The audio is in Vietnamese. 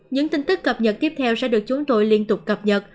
những tin tức cập nhật tiếp theo sẽ được chúng tôi liên tục cập nhật